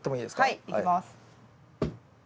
はいいきます。